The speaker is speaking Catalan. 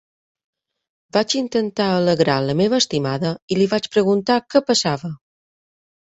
Vaig intentar alegra la meva estimada, i li vaig preguntar què passava.